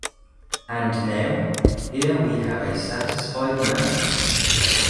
And now, here we have a satisfied man.